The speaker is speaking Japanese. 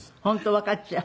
わかっちゃう？